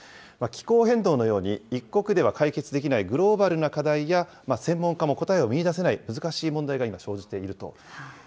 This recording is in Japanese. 気候変動のように、一国では解決できないグローバルな課題や、専門家も答えを見いだせない難しい問題が今、生じていると。